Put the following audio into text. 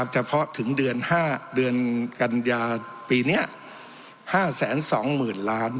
เฉพาะถึงเดือนกันยาปีนี้๕๒๐๐๐๐ล้าน